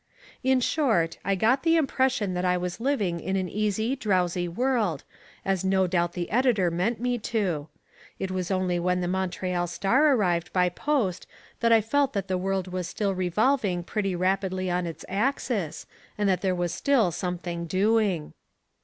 In short, I got the impression that I was living in an easy drowsy world, as no doubt the editor meant me to. It was only when the Montreal Star arrived by post that I felt that the world was still revolving pretty rapidly on its axis and that there was still something doing.